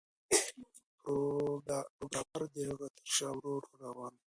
پروګرامر د هغه تر شا ورو ورو روان و